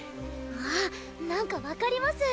あっなんか分かります。